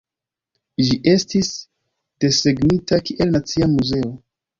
Ĝi estis desegnita kiel nacia muzeo.